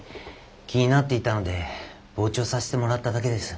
気になっていたので傍聴させてもらっただけです。